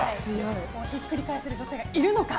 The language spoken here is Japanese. ひっくり返せる女性がいるのか。